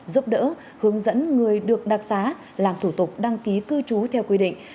giúp đỡ hướng dẫn người được đặc xá làm thủ tục đăng ký cư trú theo quy định